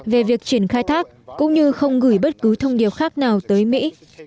về việc triển khai thác cũng như không gửi bất cứ thông điệp khác nào tới mỹ